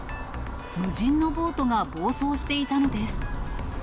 無人のボートが暴走していたのです。